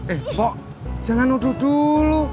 eh sok jangan nuduh dulu